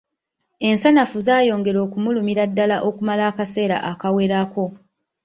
Ensanafu zaayongera okumulumira ddala okumala akaseera akawerako.